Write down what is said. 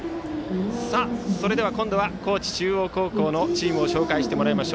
それでは今度は高知中央高校のチームを紹介してもらいます。